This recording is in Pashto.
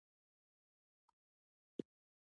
چېرته چې اقتصادي بې ثباتي وي پانګوال زړه نه ښه کوي.